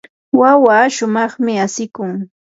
wawaa shumaqmi asikun.